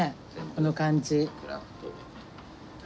この感じ。